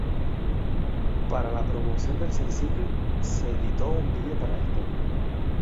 Para la promoción del sencillo, se editó un video para este.